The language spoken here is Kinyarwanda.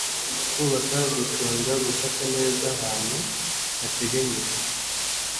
Kubaka gucunga gufata neza ahantu hateganyijwe